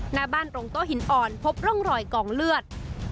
หน้าบ้านตรงโต๊ะหินอ่อนพบร่องรอยกองเลือด